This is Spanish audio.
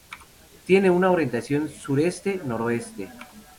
Tiene una orientación sureste-noroeste.